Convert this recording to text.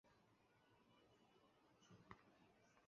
可享二十元优惠